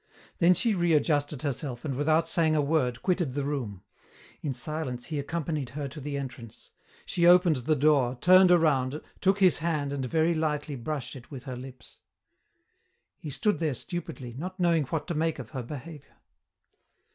Then she readjusted herself and without saying a word quitted the room. In silence he accompanied her to the entrance. She opened the door, turned around, took his hand and very lightly brushed it with her lips. He stood there stupidly, not knowing what to make of her behaviour.